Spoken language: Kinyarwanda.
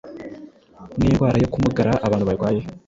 N'indwara yo kumugara abantu barwaye